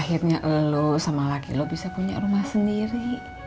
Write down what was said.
emak lu sama laki lu bisa punya rumah sendiri